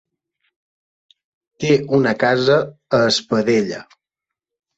Té una casa a Espadella.